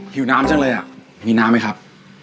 ผิวน้ำจังเลยอ่ะมีน้ำไหมครับ